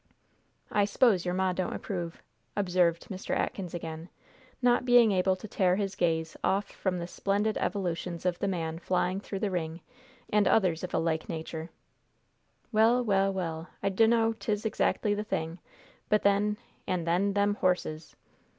"I s'pose your Ma don't approve," observed Mr. Atkins again, not being able to tear his gaze off from the splendid evolutions of the man flying through the ring, and others of a like nature; "well well well, I d'no's 'tis 'xactly the thing, but then an' then them horses.